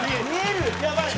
見えてる！